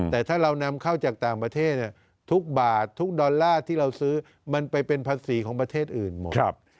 แต่ถ้าเรานำเข้าจากต่างประเทศทุกบาททุกดอลลาร์ที่เราซื้อมันไปเป็นภาษีของประเทศอื่นหมด